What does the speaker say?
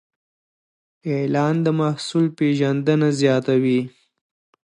اعلان د محصول پیژندنه زیاتوي.